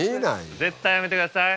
絶対やめてください。